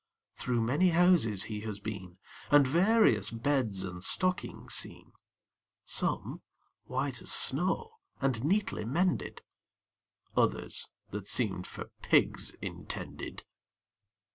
Through many houses he has been, And various beds and stockings seen; Some, white as snow, and neatly mended, Others, that seemed for pigs intended.